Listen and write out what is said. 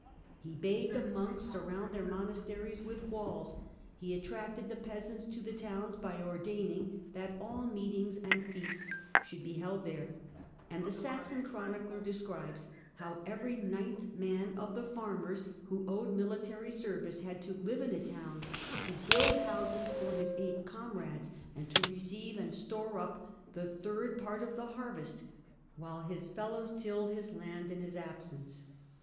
He bade the monks surround their monasteries ^nth walls. He attracted the peasants to the towns i)j ordaining that all meetings and feasts should be held there, and the Saxon chronicler describes how every ninth man of the farmers who owed military service had to live in a town, to build houses for his eight comrades, and to receive and store up the third part of the harvest, while his fellows tilled his land in his absence.